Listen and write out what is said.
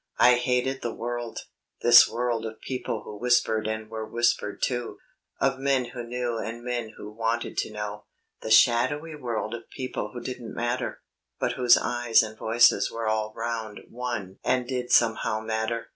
I hated the world this world of people who whispered and were whispered to, of men who knew and men who wanted to know the shadowy world of people who didn't matter, but whose eyes and voices were all round one and did somehow matter.